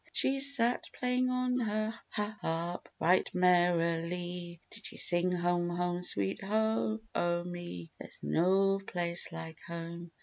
She sat playing on her ha a rp, Right merrilie did she sing: "Home, Home sweet ho o me, There's no place like home.